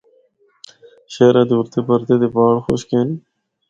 شہرا دے اُردے پردے دے پہاڑ خشک ہن۔